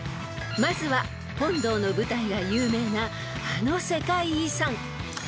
［まずは本堂の舞台が有名なあの世界遺産］